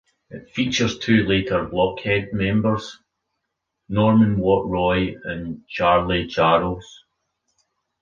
It features two later Blockheads members, Norman Watt-Roy and Charley Charles.